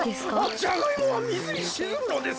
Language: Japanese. じゃがいもは水にしずむのです。